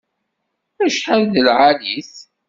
Acḥal i d lɛali-t!